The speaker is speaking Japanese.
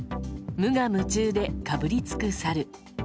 無我夢中でかぶりつくサル。